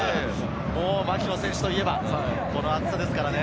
槙野選手といえば、この熱さですからね。